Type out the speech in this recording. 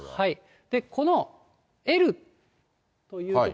このＬという所。